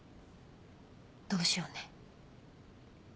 どうしようね。